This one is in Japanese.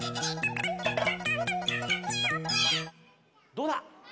どうだ？